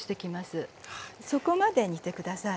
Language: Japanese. そこまで煮て下さい。